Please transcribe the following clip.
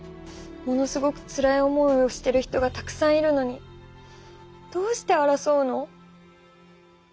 ものすごくつらい思いをしてる人がたくさんいるのにどうして争うの？